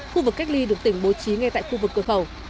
khu vực cách ly được tỉnh bố trí ngay tại khu vực cửa khẩu